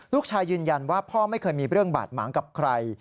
ยืนยันว่าพ่อไม่เคยมีเรื่องบาดหมางกับใคร